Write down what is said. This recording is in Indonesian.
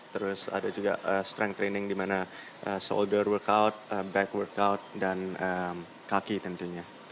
terus ada juga strength training dimana shoulder workout back workout dan kaki tentunya